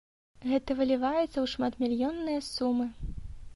Гэта выліваецца ў шматмільённыя сумы.